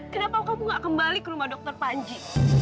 kenapa kamu gak kembali ke rumah dr panji